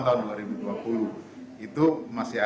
itu masih ada yang berlakukan